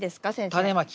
タネまき。